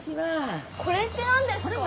これってなんですか？